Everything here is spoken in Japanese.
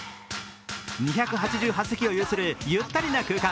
２８８席を有するゆったりな空間。